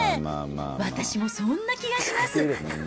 私もそんな気がします。